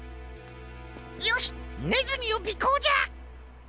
よしねずみをびこうじゃ！